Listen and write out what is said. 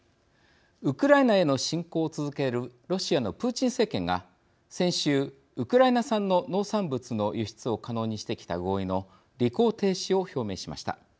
ウクライナへの侵攻を続けるロシアのプーチン政権が、先週ウクライナ産の農産物の輸出を可能にしてきた合意の履行停止を表明しました。